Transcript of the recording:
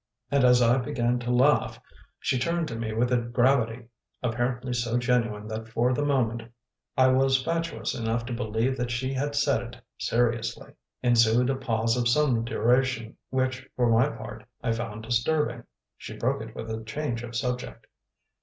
And as I began to laugh, she turned to me with a gravity apparently so genuine that for the moment I was fatuous enough to believe that she had said it seriously. Ensued a pause of some duration, which, for my part, I found disturbing. She broke it with a change of subject.